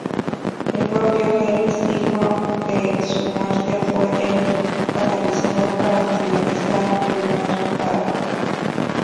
El propio Ellis dijo que "su muerte fue el catalizador para finalizar Lunar Park".